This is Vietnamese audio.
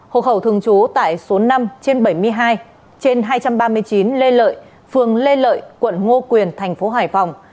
hộ khẩu thường trú tại số năm trên bảy mươi hai trên hai trăm ba mươi chín lê lợi phường lê lợi quận ngo quyền thành phố hải phòng